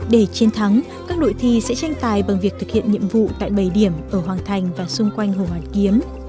để chiến thắng các đội thi sẽ tranh tài bằng việc thực hiện nhiệm vụ tại bầy điểm ở hoàng thành và xung quanh hồ hoàn kiếm